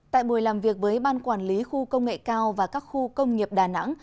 tại buổi làm việc với ban quản lý khu công nghệ cao và các khu công nghiệp đà nẵng